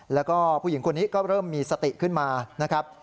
แล้วก็ผู้หญิงคนนี้ก็เริ่มมีสติขึ้นมานะครับ